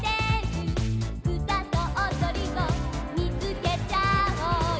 「うたとおどりを見つけちゃおうよ」